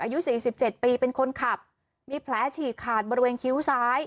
อายุสี่สิบเจ็ดปีเป็นคนขับมีแผลฉีกขาดบริเวณคิ้วซ้าย